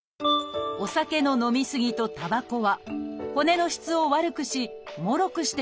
「お酒の飲み過ぎ」と「たばこ」は骨の質を悪くしもろくしてしまいます。